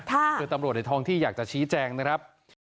คือตำรวจในทองที่อยากจะชี้แจงนะครับ